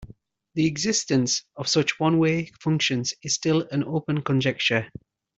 The existence of such one-way functions is still an open conjecture.